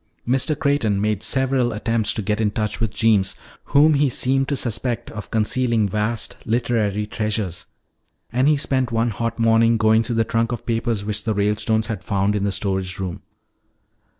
Mr. Creighton made several attempts to get in touch with Jeems, whom he seemed to suspect of concealing vast literary treasures. And he spent one hot morning going through the trunk of papers which the Ralestones had found in the storage room.